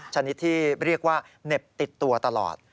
ชนิดที่เรียกว่าเหน็บติดตัวตลอด